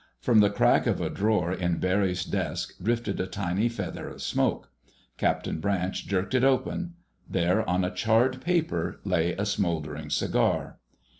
From the crack of a drawer in Barry's desk drifted a tiny feather of smoke. Captain Branch jerked it open. There, on a charred paper, lay a smouldering cigar.